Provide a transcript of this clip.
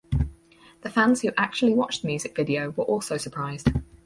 The fans who actually watched the music video were also surprised.